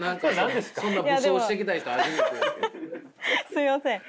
すみません。